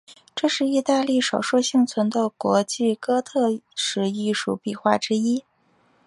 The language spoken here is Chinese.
这是意大利少数幸存的国际哥特式艺术壁画之一。